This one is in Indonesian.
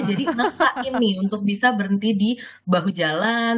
jadi naksa ini untuk bisa berhenti di bahu jalan